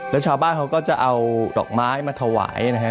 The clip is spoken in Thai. แล้วชาวบ้านเขาก็จะเอาดอกไม้มาถวายนะฮะ